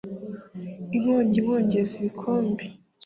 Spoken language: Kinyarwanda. inkongi inkongeza ibikombe